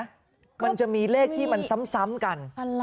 เห็นไหมมันจะมีเลขที่มันซ้ำกัน